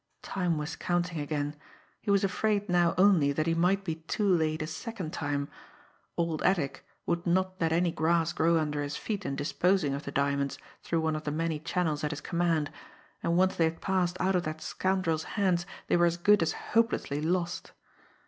Time was counting again; he was afraid now only that he might be too late a second time. Old Attic would not let any grass grow under his feet in disposing of the diamonds through one of the many channels at his command, and once they had passed out of that scoundrel's hands they were as good as hopelessly lost.